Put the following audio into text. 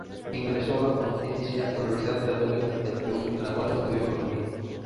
Ingresó a la Pontificia Universidad Católica del Perú, en la cual estudió Economía.